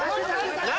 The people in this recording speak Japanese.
何？